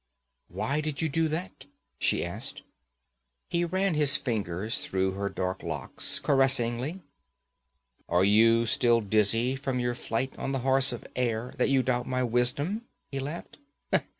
'Why did you do that?' she asked. He ran his fingers through her dark locks caressingly. 'Are you still dizzy from your flight on the horse of air, that you doubt my wisdom?' he laughed.